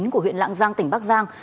của huyện lạng giang tỉnh bắc giang